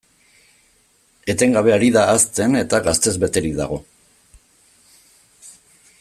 Etengabe ari da hazten, eta gaztez beterik dago.